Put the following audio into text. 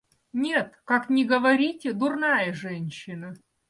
Нет, как ни говорите, дурная женщина.